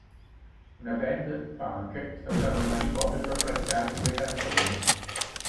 Una band punk sta usando il manicomio per praticare alcune canzoni.